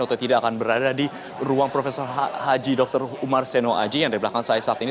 atau tidak akan berada di ruang prof haji dr umar seno aji yang ada di belakang saya saat ini